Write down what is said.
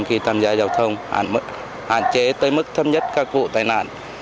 khi tham gia giao thông hạn chế tới mức thâm nhất các vụ tai nạn